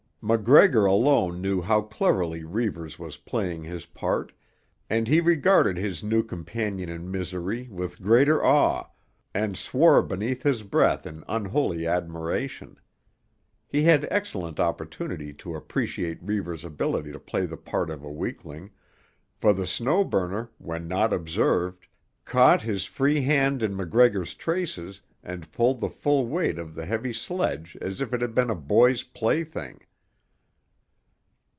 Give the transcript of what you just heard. MacGregor alone knew how cleverly Reivers was playing his part, and he regarded his new companion in misery with greater awe and swore beneath his breath in unholy admiration. He had excellent opportunity to appreciate Reivers's ability to play the part of a weakling, for the Snow Burner, when not observed, caught his free hand in MacGregor's traces and pulled the full weight of the heavy sledge as if it had been a boy's plaything.